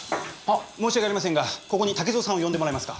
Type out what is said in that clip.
申し訳ありませんがここに竹蔵さんを呼んでもらえますか。